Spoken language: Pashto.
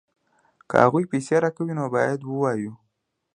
که هغوی پیسې راکوي نو باید ووایو